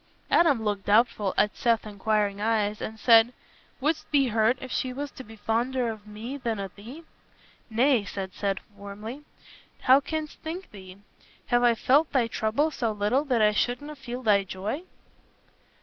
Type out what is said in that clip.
Adam looked doubtfully at Seth's inquiring eyes and said, "Wouldst be hurt if she was to be fonder o' me than o' thee?" "Nay," said Seth warmly, "how canst think it? Have I felt thy trouble so little that I shouldna feel thy joy?"